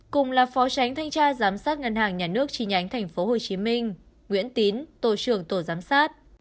cùng là phó tránh thanh tra giám sát ngân hàng nhà nước chi nhánh tp hcm nguyễn tín tổ trưởng tổ giám sát